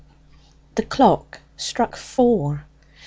The clock struck four.